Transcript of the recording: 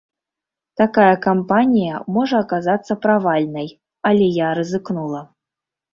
Такая кампанія можа аказацца правальнай, але я рызыкнула.